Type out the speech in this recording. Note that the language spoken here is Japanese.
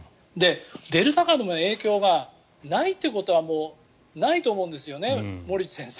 デルタ株の影響がないということはもうないと思うんですよね。